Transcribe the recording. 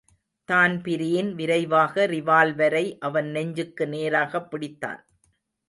Dan Breen விரைவாக ரிவால்வரை அவன் நெஞ்சுக்கு நேராகப் பிடித்தான்.